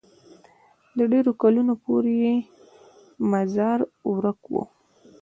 د ډېرو کلونو پورې یې مزار ورک وو.